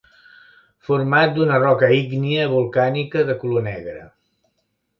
Format d'una roca ígnia volcànica de color negre.